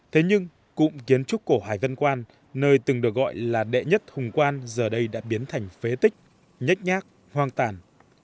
thế nhưng cụm kiến trúc cổ hải vân quan nơi từng được gọi là đệ nhất hùng quan giờ đây đã biến thành phế tích nhách nhác hoang tàn